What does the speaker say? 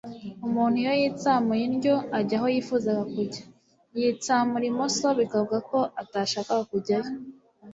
Umuntu iyo yitsamuye indyo ajya aho yifuzaga kujya, yitsamura imoso bikavuga ko atashakaga kujyayo